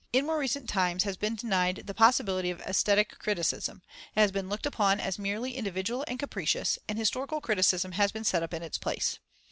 In more recent times has been denied the possibility of aesthetic criticism; it has been looked upon as merely individual and capricious, and historical criticism has been set up in its place.